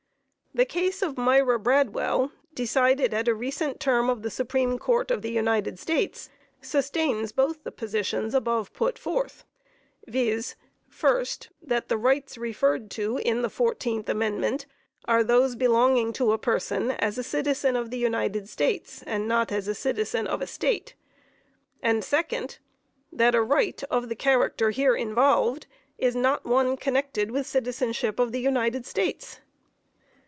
The case of Myra Bradwell, decided at a recent term of the Supreme Court of the United States, sustains both the positions above put forth, viz: First, that the rights referred to in the 14th Amendment are those belonging to a person as a citizen of the United States and not as a citizen of a State, and second, that a right of the character here involved is not one connected with citizenship of the United States.